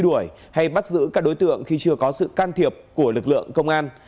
đuổi hay bắt giữ các đối tượng khi chưa có sự can thiệp của lực lượng công an